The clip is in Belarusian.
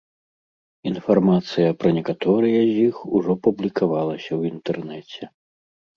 Інфармацыя пра некаторыя з іх ужо публікавалася ў інтэрнэце.